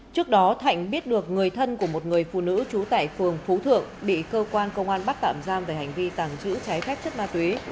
trước đó thạnh biết được người thân của một người phụ nữ trú tại phường phú thượng bị cơ quan công an bắt tạm giam về hành vi tàng trữ trái phép chất ma túy